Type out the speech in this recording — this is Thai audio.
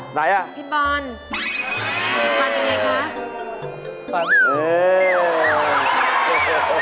ไหนอะพี่บอนมีความจริงไงคะ